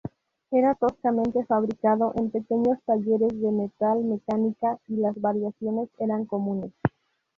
Era toscamente fabricado en pequeños talleres de metal-mecánica y las variaciones eran comunes.